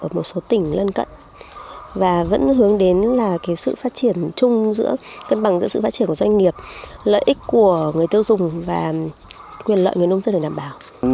ở một số tỉnh lân cận và vẫn hướng đến là sự phát triển chung giữa cân bằng giữa sự phát triển của doanh nghiệp lợi ích của người tiêu dùng và quyền lợi người nông dân được đảm bảo